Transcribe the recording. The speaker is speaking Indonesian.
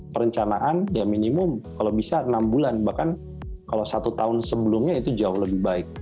perencanaan ya minimum kalau bisa enam bulan bahkan kalau satu tahun sebelumnya itu jauh lebih baik